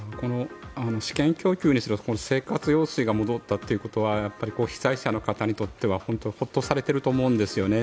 試験供給にしろ生活用水が戻ったということは被災者の方にとってはホッとされていると思うんですよね。